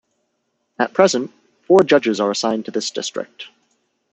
At present, four judges are assigned to this district.